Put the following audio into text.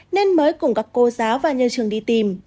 nên mới cùng các cô giáo và nhà trường đi tìm